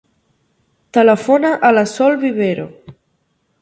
Telefona a la Sol Vivero.